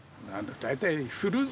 大体。